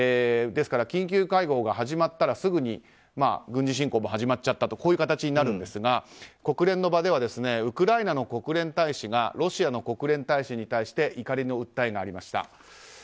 ですから、緊急会合が始まったらすぐに軍事侵攻が始まっちゃったという形になるんですが国連の場ではウクライナの国連大使がロシアの国連大使に対して怒りの訴えがありました。